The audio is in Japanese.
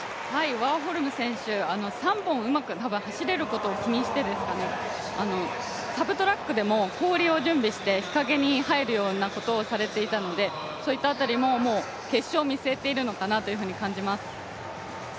ワーホルム選手、３本たぶんうまく走れるかを気にしてか、サブトラックでも氷を準備して日陰に入るようなことをされていたのでそういった辺りも決勝を見据えているのかなと感じます。